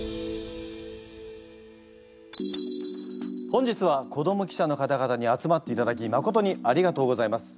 本日は子ども記者の方々に集まっていただきまことにありがとうございます。